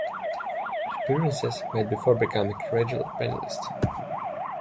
Appearances made before becoming a regular panellist.